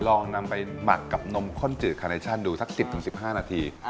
ลองนำไปหมักกับนมข้นจืดคาเนชั่นดูสัก๑๐๑๕นาที